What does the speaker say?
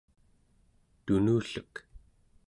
tunullek